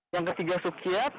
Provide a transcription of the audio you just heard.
yang ketiga sukyat